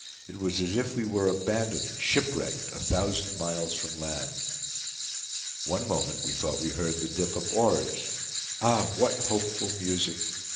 It was as if we were abandoned, shipwrecked, a thousand miles from land. One moment we thought we heard the dip of oars. Ah! what hopeful music!